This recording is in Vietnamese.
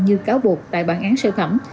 như cáo buộc tại bản án sơ thẩm